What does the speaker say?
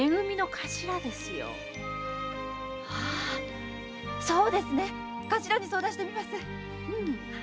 頭に相談してみます。